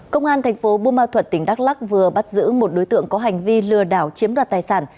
công an tp buôn ma thuật tỉnh đắk lắc vừa bắt giữ một đối tượng có hành vi lừa đảo chiếm đoạt tài sản